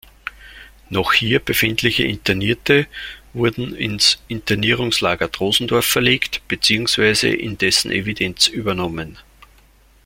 Noch hier befindliche Internierte wurden ins Internierungslager Drosendorf verlegt beziehungsweise in dessen Evidenz übernommen.